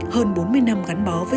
hơn bốn mươi năm gắn bó